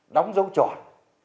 đóng dấu tròn